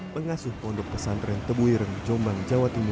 pengasuh pondok pesantren tebuireng jombang jawa timur